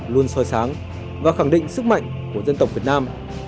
luôn soi sáng và khẳng định sức mạnh của dân tộc việt nam